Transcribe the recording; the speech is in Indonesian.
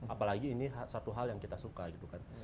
apalagi ini satu hal yang kita suka gitu kan